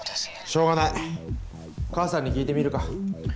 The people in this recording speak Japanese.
しょうがない母さんに聞いてみるか。